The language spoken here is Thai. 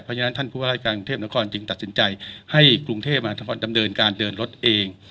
เพราะฉะนั้นท่านผู้ว่าราชการกรุงเทพนครจึงตัดสินใจให้กรุงเทพมหานครดำเนินการเดินรถเอง